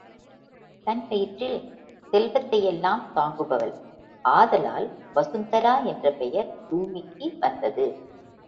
தன் வயிற்றில் செல்வத்தை எல்லாம் தாங்குபவள் ஆதலால் வசுந்தரா என்ற பெயர் பூமிக்கு வந்தது.